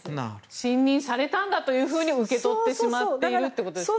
信任されたんだと受け取ってしまっているということですね。